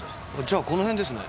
じゃこの辺ですね。